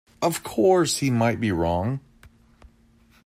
Of course he might be wrong.